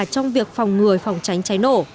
trong việc phòng người phòng cháy cháy nổ